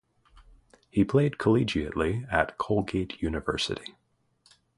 He played collegiately at Colgate University.